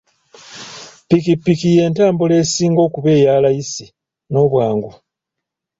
Ppikipiki y'entambula esinga okuba eya layisi n'obwangu.